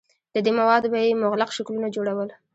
له دې موادو به یې مغلق شکلونه جوړول.